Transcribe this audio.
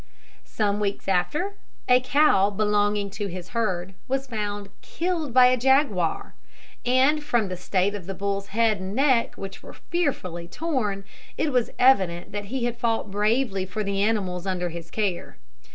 Some weeks after, a cow belonging to his herd was found killed by a jaguar, and from the state of the bull's head and neck, which were fearfully torn, it was evident that he had fought bravely for the animals under his care.